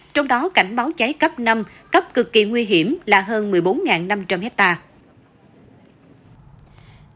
trong đó cảnh báo cháy cấp năm cấp cực kỳ nguy hiểm là hơn một mươi bốn năm trăm linh hectare